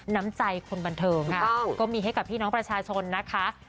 น้ำใจคนบันเทิงค่ะก็มีให้กับพี่น้องประชาชนนะคะ